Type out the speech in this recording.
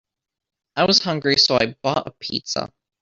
I was hungry, so I bought a pizza.